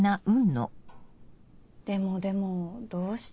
でもでもどうして。